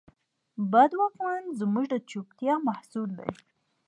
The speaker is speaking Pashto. بد واکمن زموږ د چوپتیا محصول دی.